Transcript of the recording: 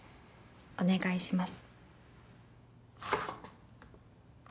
お願いします。